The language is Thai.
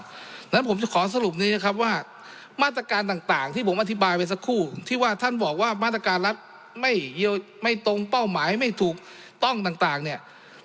เพราะฉะนั้นผมจะขอสรุปนี้นะครับว่ามาตรการต่างที่ผมอธิบายไปสักครู่ที่ว่าท่านบอกว่ามาตรการรัฐไม่ตรงเป้าหมายไม่ถูกต้องต่างเนี่ย